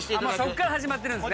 そっから始まってるんですね。